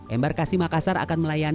embar kasimakasar akan melayankan